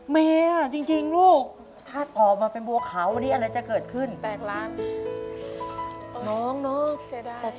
มีค่ามากหรือครับ